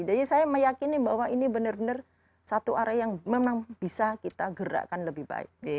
jadi saya meyakini bahwa ini benar benar satu area yang memang bisa kita gerakan lebih baik